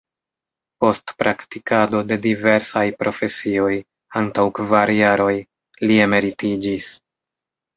Post praktikado de diversaj profesioj, antaŭ kvar jaroj, li emeritiĝis.